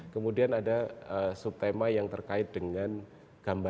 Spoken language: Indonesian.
kemudian ada subtema yang terkait dengan gambaran